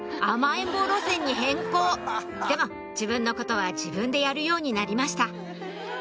甘えん坊路線に変更でも自分のことは自分でやるようになりました